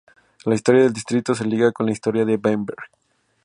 La historia del distrito se liga con la historia de Bamberg.